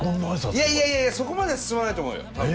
いやいやいやいやそこまで進まないと思うよ多分。